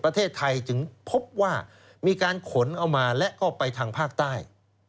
ประเทศไทยจึงพบว่ามีการขนเอามาและก็ไปทางภาคใต้